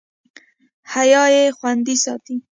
حیا یې خوندي ساتي.